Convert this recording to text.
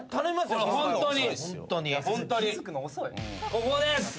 ここです。